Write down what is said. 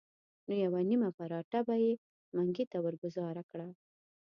نو یوه نیمه پراټه به یې منګي ته ورګوزاره کړه.